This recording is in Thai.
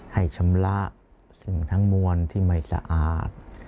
ให้ชำระซึ่งทั้งมวลที่ไม่สะอาด